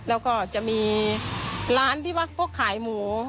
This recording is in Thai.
แล้วก็จะมีร้านที่ว่าก็ขายหมู